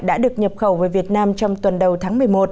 đã được nhập khẩu về việt nam trong tuần đầu tháng một mươi một